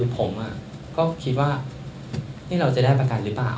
ผมก็คิดว่านี่เราจะได้ประกันหรือเปล่า